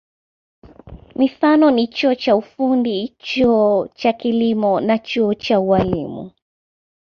Mifano ni chuo cha ufundi, chuo cha kilimo au chuo cha ualimu.